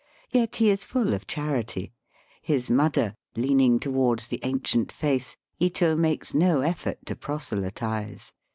Yet he is full of charity. His " mudder," leaning towards the ancient faith, Ito makes no effort to proselytize.